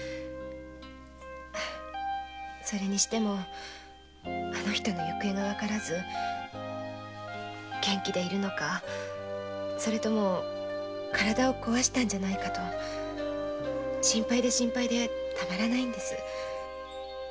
それにしてもあの人の行方がわからず元気でいるのかそれとも体を壊したんじゃないかと心配で心配でたまらないんです。